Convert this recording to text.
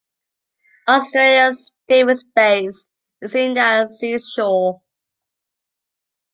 Australia’s Davis Base is in that sea’s shore.